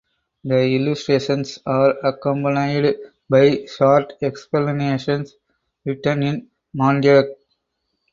The illustrations are accompanied by short explanations written in Mandaic.